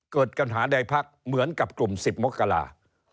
เกิดปัญหาใดพักเหมือนกับกลุ่ม๑๐มกรา